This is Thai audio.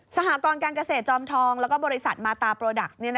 สหกรการเกษตรจอมทองแล้วก็บริษัทมาตาโปรดักต์